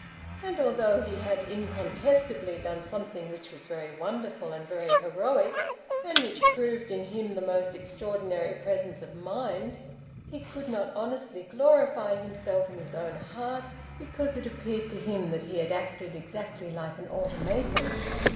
And although he had incontestably done something which was very wonderful and very heroic, and which proved in him the most extraordinary presence of mind, he could not honestly glorify himself in his own heart, because it appeared to him that he had acted exactly like an automaton.